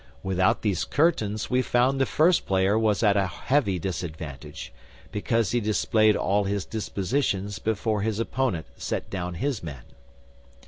Without these curtains we found the first player was at a heavy disadvantage, because he displayed all his dispositions before his opponent set down his men.